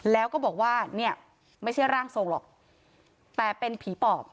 แล้วก็บอกว่าเนี่ยไม่ใช่ร่างทรงหรอกแต่เป็นผีปอบ